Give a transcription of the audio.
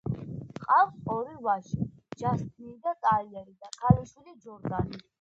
ჰყავს ორი ვაჟი, ჯასტინი და ტაილერი, და ქალიშვილი, ჯორდანი.